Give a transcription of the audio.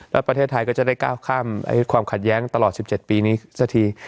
ถ้าเราข้ามความขัดแย้งตลอด๑๗ปีนี้สักที